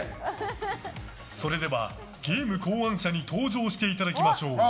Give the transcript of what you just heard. それではゲーム考案者に登場していただきましょう。